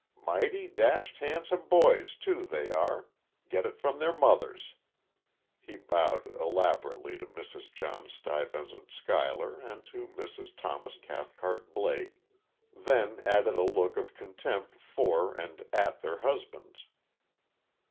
Mighty dashed handsome boys, too, they are get it from their mothers," he bowed elaborately to Mrs. Jon Stuyvesant Schuyler and to Mrs. Thomas Cathcart Blake, then added a look of contempt for, and at their husbands.